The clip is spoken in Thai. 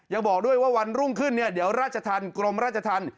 ยังบอกด้วยว่าวันรุ่งขึ้นเนี่ยเดี๋ยวราชธรรมกรมราชธรรม